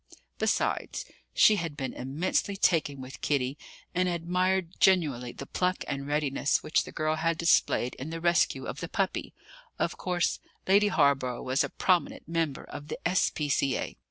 Besides, she had been immensely taken with Kitty, and admired genuinely the pluck and readiness which the girl had displayed in the rescue of the puppy: of course, Lady Hawborough was a prominent member of the S.P.C.A.